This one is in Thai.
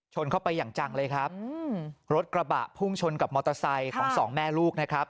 เข้าไปอย่างจังเลยครับอืมรถกระบะพุ่งชนกับมอเตอร์ไซค์ของสองแม่ลูกนะครับ